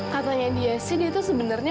katanya dia sih dia tuh sebenernya